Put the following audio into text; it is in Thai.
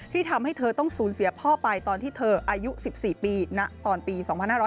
ที่ทำให้เธอต้องสูญเสียพ่อไปตอนที่เธออายุ๑๔ปีตอนปี๒๕๕๙